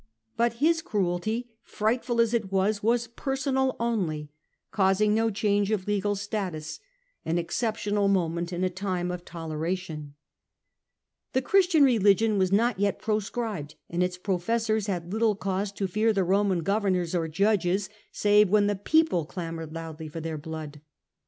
But antipathy, his Cruelty, frightful as it was, was personal only, causing no change of legal status, an exceptional CH. VI. The Empire a 7 td Christianity, 135 moment in a time of toleration. The Christian religion was not yet proscribed, and its professors had little cause to fear the Roman governors or judges, save when the people clamoured loudly for their blood.